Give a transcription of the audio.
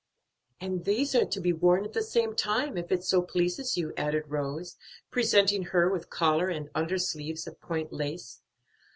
"And these are to be worn at the same time, if it so pleases you," added Rose, presenting her with collar and undersleeves of point lace.